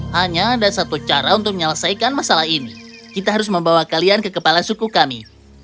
hanya ada satu cara untuk menyelesaikan masalah ini kita harus membawa kalian ke kepala suku kami